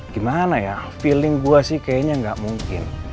gimana ya feeling gue sih kayaknya nggak mungkin